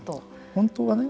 本当はね